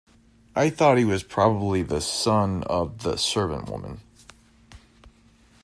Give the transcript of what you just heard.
I thought he was probably the son of the servant-woman.